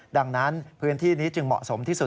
ดังนั้นพื้นที่นี้จึงเหมาะสมที่สุด